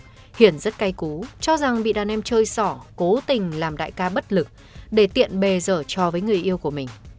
nhưng hiển rất cay cú cho rằng bị đàn em chơi sỏ cố tình làm đại ca bất lực để tiện bề dở cho với người yêu của mình